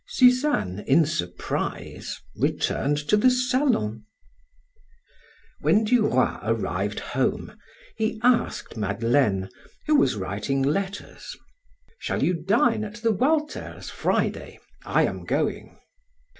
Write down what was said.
Suzanne, in surprise, returned to the salon. When Du Roy arrived home, he asked Madeleine, who was writing letters: "Shall you dine at the Walters' Friday? I am going."